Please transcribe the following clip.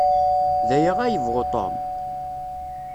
D aya ad yebɣu Tom?